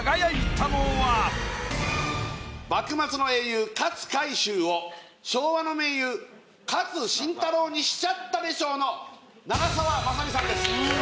幕末の英雄勝海舟を昭和の名優勝新太郎にしちゃったで賞の長澤まさみさんです。